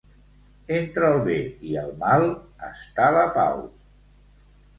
Entre el bé i el mal està la pau.